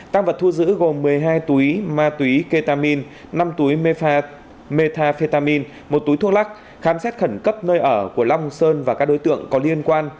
tăng vật thu giữ gồm một mươi hai túi ma túy ketamine năm túi mhetafetamin một túi thuốc lắc khám xét khẩn cấp nơi ở của long sơn và các đối tượng có liên quan